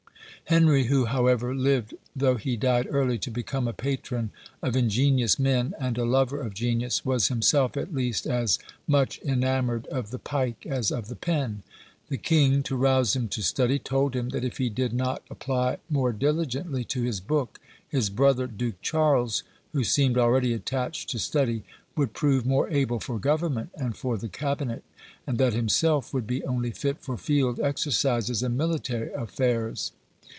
Henry, who however lived, though he died early, to become a patron of ingenious men, and a lover of genius, was himself at least as much enamoured of the pike as of the pen. The king, to rouse him to study, told him, that if he did not apply more diligently to his book, his brother, duke Charles, who seemed already attached to study, would prove more able for government and for the cabinet, and that himself would be only fit for field exercises and military affairs.